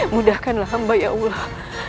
mudahkanlah hamba ya allah